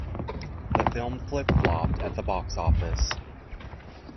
The film flip flopped at the box office.